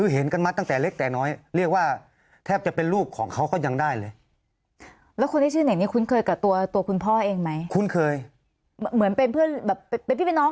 เหมือนพี่เป็นน้องกันนะรู้จักกันผู้น้อง